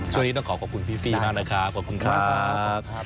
ช่วงนี้ต้องขอขอบคุณพี่ฟี่มากนะครับขอบคุณครับ